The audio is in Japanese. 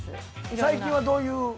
最近はどういう？